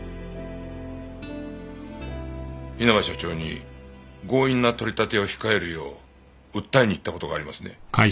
稲葉社長に強引な取り立てを控えるよう訴えに行った事がありますね？